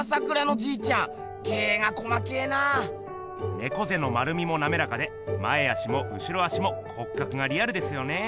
ねこぜの丸みもなめらかで前足も後ろ足も骨格がリアルですよね！